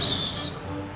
neng kamu nyari siapa